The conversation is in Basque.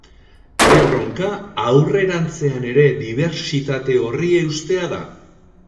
Erronka, aurrerantzean ere dibertsitate horri eustea da.